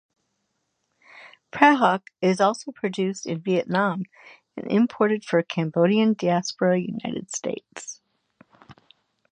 Prahok is also produced in Vietnam and imported for Cambodian diaspora United States.